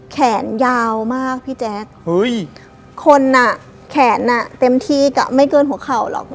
แขนยาวมากพี่แจ๊คคนอ่ะแขนอ่ะเต็มที่กับไม่เกินหัวเข่าหรอก